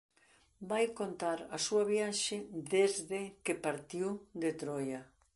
Vai contar a súa viaxe desde que partiu de Troia.